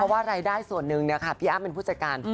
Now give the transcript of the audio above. เท่าไหร่ได้ส่วนนึงเนี่ยค่ะพี่อั๊มเป็นผู้จัดการ